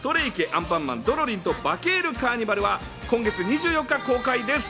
アンパンマンドロリンとバケるカーニバル』は今月２４日公開です。